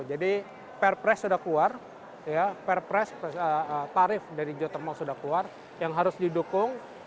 jadi perpres sudah keluar tarif dari geothermal sudah keluar yang harus didukung